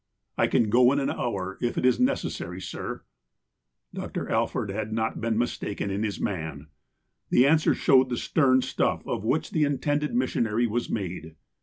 "I can go in an hour, if it is necessary, sir." Dr. Alford had not been mistaken in his man. The answer showed the stern stuff of which the intended missionary was made.